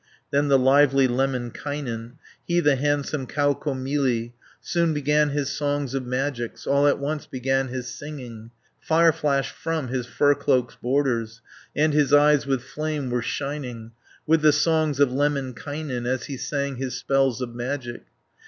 Then the lively Lemminkainen, He the handsome Kaukomieli, Soon began his songs of magics All at once began his singing, Fire flashed from his fur cloak's borders, And his eyes with flame were shining, With the songs of Lemminkainen, As he sang his spells of magic.